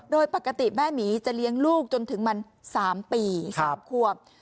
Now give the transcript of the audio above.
โดยปกติแม่หมีจะเลี้ยงลูกจนถึงมัน๓ปี๓ควบ